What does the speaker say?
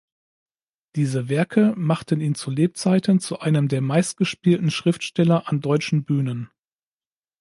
Diese Werke machten ihn zu Lebzeiten zu einem der meistgespielten Schriftsteller an deutschen Bühnen.